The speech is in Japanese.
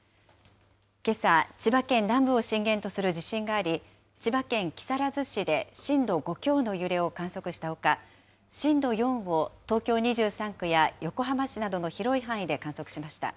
けさ、千葉県南部を震源とする地震があり、千葉県木更津市で震度５強の揺れを観測したほか、震度４を東京２３区や横浜市などの広い範囲で観測しました。